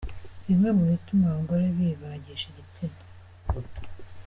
Bimwe mu bituma abagore bibagisha igitsina.